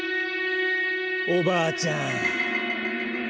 おばあちゃん。